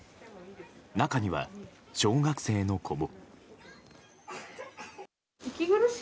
中には、小学生の子も。